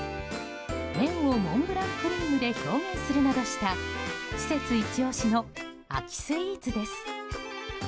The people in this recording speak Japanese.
麺をモンブランクリームで表現するなどした施設イチ押しの秋スイーツです。